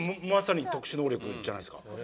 まさに特殊能力じゃないですか。